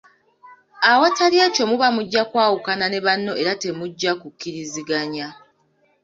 Awatali ekyo muba mujja kwawukana ne banno era temujja kukkiriziganya.